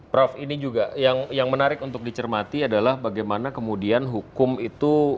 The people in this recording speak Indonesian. prof ini juga yang menarik untuk dicermati adalah bagaimana kemudian hukum itu